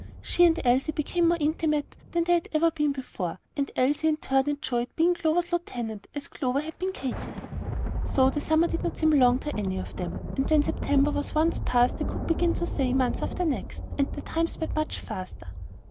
She and Elsie became more intimate than they had ever been before; and Elsie in her turn enjoyed being Clover's lieutenant as Clover had been Katy's. So the summer did not seem long to any of them; and when September was once past, and they could begin to say, "month after next," the time sped much faster.